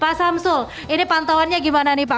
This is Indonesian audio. pak samsul ini pantauannya gimana nih pak